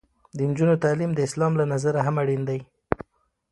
د نجونو تعلیم د اسلام له نظره هم اړین دی.